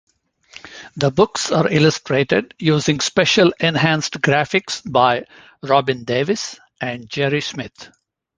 The books are illustrated using special enhanced graphics by Robin Davies and Jerry Smith.